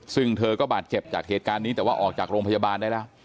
ซึ่งเธอก็บาดเจ็บจากเหตุการณ์นี้แต่ว่าออกจากโรงพยาบาลได้แล้ว